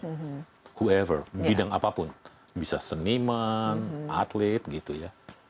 wever bidang apapun bisa seniman atlet gitu ya